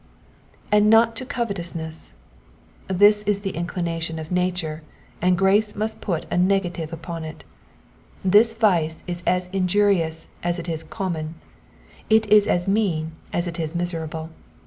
*^*'And not to cotetoumess.^^ This is the inclination of nature, and grace must put a negative upon it. This vice is as injurious as it is common ; it is as mean as it is miserable.